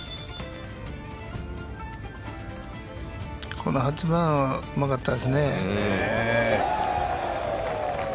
この８番はうまかったですね。